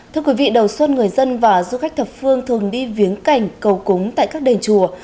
thưa quý vị đầu xuân người dân và du khách thập phương thường đi viếng cảnh cầu cúng tại các đền chùa